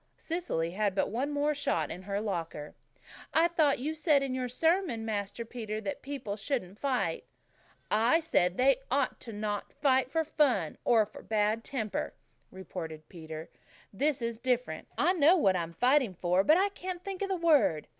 Cecily had but one more shot in her locker. "I thought you said in your sermon, Master Peter, that people shouldn't fight." "I said they oughtn't to fight for fun, or for bad temper," retorted Peter. "This is different. I know what I'm fighting for but I can't think of the word."